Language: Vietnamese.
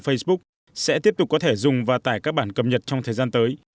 facebook sẽ tiếp tục có thể dùng và tải các bản cập nhật trong thời gian tới